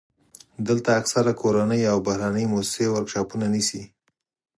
دلته اکثره کورنۍ او بهرنۍ موسسې ورکشاپونه نیسي.